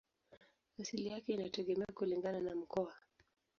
Asili yake inategemea kulingana na mkoa.